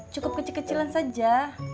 cukup kecil kecilan saja